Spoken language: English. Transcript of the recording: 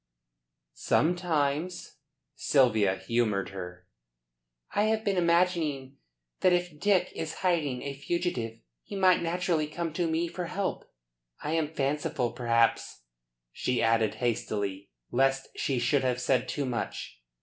"Sometimes," Sylvia humoured her. "I have been imagining that if Dick is hiding, a fugitive, he might naturally come to me for help. I am fanciful, perhaps," she added hastily, lest she should have said too much.